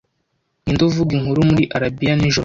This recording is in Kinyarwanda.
Ninde uvuga inkuru muri Arabiya Nijoro